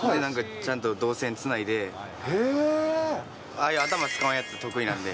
ちゃんと銅線つないで、ああいう頭使わんやつ得意なんで。